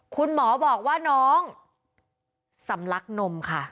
คุณหมอบอกว่าน้องสำลักนมค่ะ